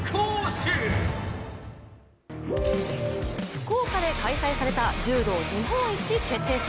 福岡で開催された柔道日本一決定戦。